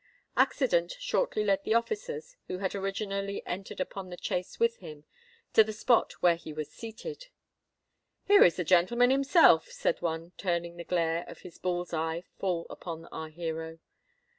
Accident shortly led the officers, who had originally entered upon the chase with him, to the spot where he was seated. "Here is the gentleman himself," said one, turning the glare of his bull's eye full upon our hero.